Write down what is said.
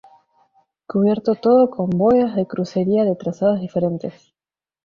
Cubierto todo con bóvedas de crucería de trazados diferentes.